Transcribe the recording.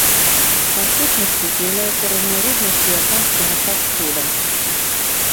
Па сутнасці з'яўляецца разнавіднасцю японскага фаст-фуда.